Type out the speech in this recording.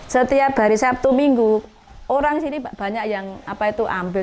setiap hari sabtu minggu orang sini banyak yang ambil